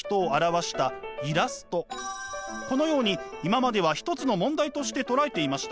このように今までは一つの問題としてとらえていました。